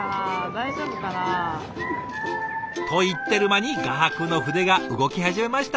大丈夫かな？と言ってる間に画伯の筆が動き始めましたよ。